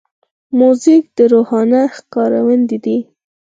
موزیک د روحانه ښکارندوی دی.